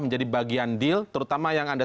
menjadi bagian deal terutama yang anda